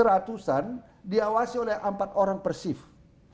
satu seratus an diawasi oleh empat orang per shift